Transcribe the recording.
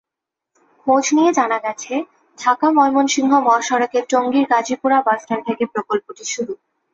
খোঁজ নিয়ে জানা গেছে, ঢাকা-ময়মনসিংহ মহাসড়কের টঙ্গীর গাজীপুরা বাসস্ট্যান্ড থেকে প্রকল্পটির শুরু।